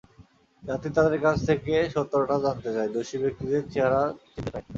জাতি তাদের কাছ থেকে সত্যটা জানতে চায়, দোষী ব্যক্তিদের চেহারা চিনতে চায়।